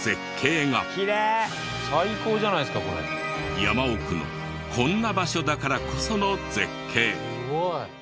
山奥のこんな場所だからこその絶景。